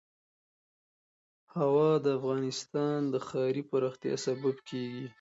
هوا د افغانستان د ښاري پراختیا سبب کېږي.